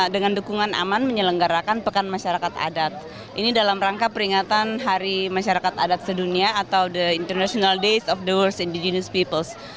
dengan dukungan aman menyelenggarakan pekan masyarakat adat ini dalam rangka peringatan hari masyarakat adat sedunia atau the international days of the worst indigenous peoples